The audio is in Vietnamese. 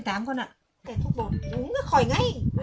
thuốc bột uống nó khỏi ngay